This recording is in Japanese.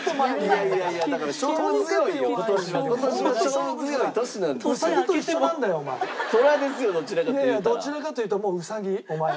いやいやどちらかというともううさぎお前は。